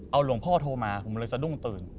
เอาหลวงพ่อโทรมาผมเลยสะดุ้งตื่น